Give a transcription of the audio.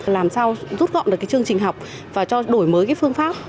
làm sao rút gọn được chương trình học và đổi mới phương pháp